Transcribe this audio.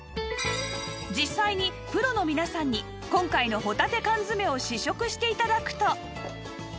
実際にプロの皆さんに今回のほたて缶詰を試食して頂くと